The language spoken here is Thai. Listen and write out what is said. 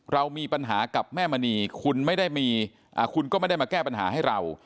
เรามีปัญหากับแม่มณีคุณไม่ได้มาแก้ปัญหาให้เรา